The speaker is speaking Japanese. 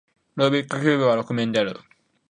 ルービックキューブは六面である